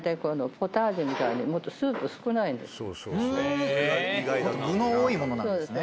ふんもっと具の多いものなんですね。